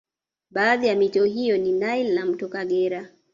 Baadhi ya mito hiyo ni Nile na mto Kagera